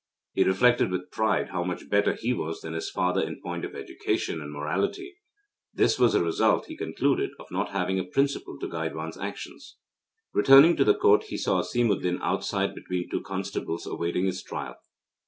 He reflected with pride how much better he was than his father in point of education and morality. This was the result, he concluded, of not having a principle to guide one's actions. Returning to the Court, he saw Asimuddin outside between two constables, awaiting his trial.